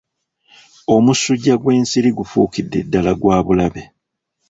Omusujja gw'ensiri gufuukidde ddala gwa bulabe